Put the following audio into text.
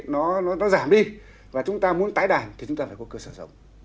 nó giảm đi và chúng ta muốn tái đảm thì chúng ta phải có cơ sở giống